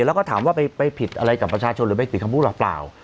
แล้วก็ถามว่าไปผิดอะไรกับประชาชนหรือไปผิดคำพูดหรือเปล่า